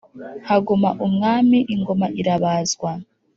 Haguma umwami, ingoma irabazwa.